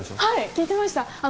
はい聴いてました